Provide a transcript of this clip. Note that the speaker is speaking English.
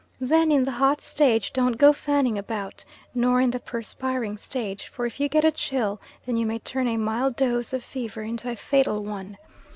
Then, in the hot stage, don't go fanning about, nor in the perspiring stage, for if you get a chill then you may turn a mild dose of fever into a fatal one.